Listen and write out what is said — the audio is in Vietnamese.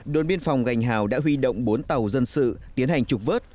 đồn biên phòng gành hào đã huy động bốn tàu dân sự tiến hành trục vớt